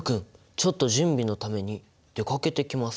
ちょっと準備のために出かけてきます！」。